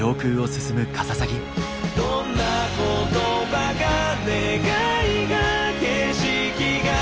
「どんな言葉が願いが景色が」